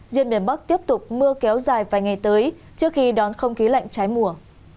riêng miền bắc tiếp tục mưa kéo dài vài ngày tới trước khi đón không khí lạnh trái mùa